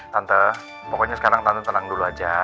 tante pokoknya sekarang tante tenang dulu aja